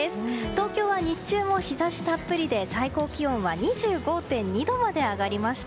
東京は日中も陽射したっぷりで最高気温は２５．２度まで上がりました。